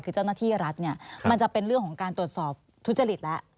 คือเจ้าหน้าที่รัฐเนี่ยมันจะเป็นเรื่องของการตรวจสอบทุจริตแล้ว